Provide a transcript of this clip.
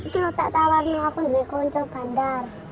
kamu tak tawar nangaku dari konco bandar